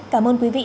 cảm ơn quý vị